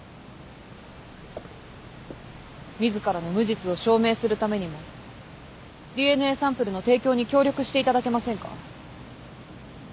自らの無実を証明するためにもＤＮＡサンプルの提供に協力していただけませんか？